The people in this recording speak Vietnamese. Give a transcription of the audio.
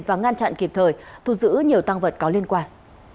và ngăn chặn kịp thời thu giữ nhiều tăng vật có liên quan